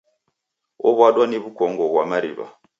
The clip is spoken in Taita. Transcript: Ow'adwa ni w'ukongo ghwa mariw'a